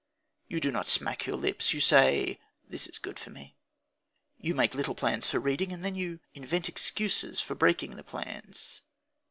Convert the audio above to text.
You do not smack your lips; you say: "That is good for me." You make little plans for reading, and then you invent excuses for breaking the plans.